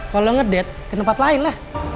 kalau ngedet ke tempat lain lah